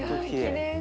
きれい。